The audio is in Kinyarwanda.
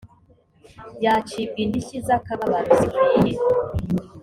yacibwa indishyi z akababaro zikwiye